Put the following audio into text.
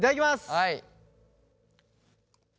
はい。